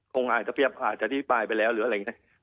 คงอาจจะเปรียบอาจจะอธิบายไปแล้วหรืออะไรอย่างนี้นะ